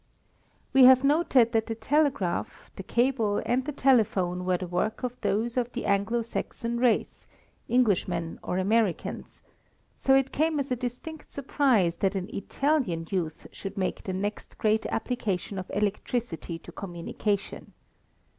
We have noticed that the telegraph, the cable, and the telephone were the work of those of the Anglo Saxon race Englishmen or Americans so it came as a distinct surprise that an Italian youth should make the next great application of electricity to communication.